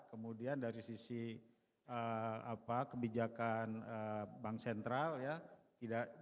kemudian dari sisi kebijakan bank sentral ya